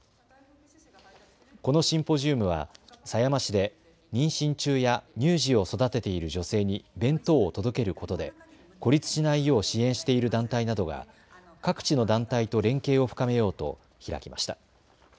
このシンポジウムは狭山市で妊娠中や乳児を育てている女性に弁当を届けることで孤立しないよう支援している団体などが各地の団体と連携を深めようと開きました。